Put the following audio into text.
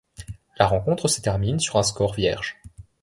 La rencontre se termine sur un score vierge.